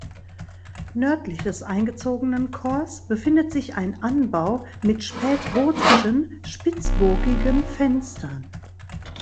Nördlich des eingezogenen Chors befindet sich ein Anbau mit spätgotischen spitzbogigen Fenstern.